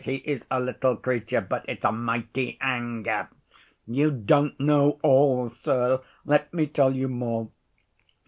He is a little creature, but it's a mighty anger. You don't know all, sir. Let me tell you more.